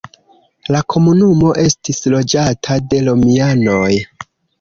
La komunumo estis loĝata de romianoj.